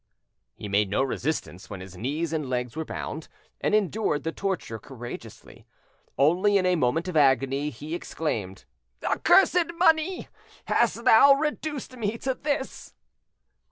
He made no resistance when his knees and legs were bound, and endured the torture courageously. Only, in a moment of agony, he exclaimed: "Accursed money! has thou reduced me to this?"